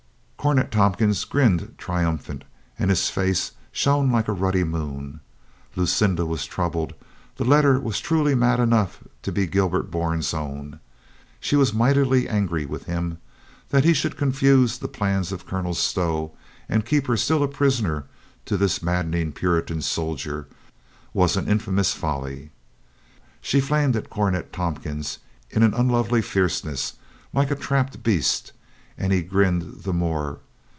) Cornet Tompkins grinned triumphant, and his face shone like a ruddy moon. Lucinda was troubled. The letter was truly mad enough to be Gilbert Bourne's own. She was mightily angry with him. That he should confuse the plans of Colonel Stow and keep her still a prisoner to this maddening Puritan soldier was an infamous folly. She flamed at Cornet Tompkins in an unlovely fierceness, like a trapped beast, and he grinned the more.